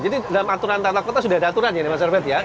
tentu karena aturan tanah kota sudah ada aturan ini mas herbet